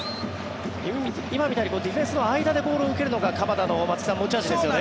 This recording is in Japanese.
今みたいにディフェンスの間でボールを受けるのが鎌田の持ち味ですよね。